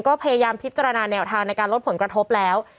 ก็พยายามพิจารณาแนวทางในการลดผลกระทบแล้ว